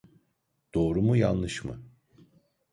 Doğru mu yanlış mı?